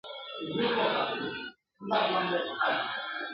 پرون بُست ژړل په ساندو نن ارغند پر پاتا ناست دی ..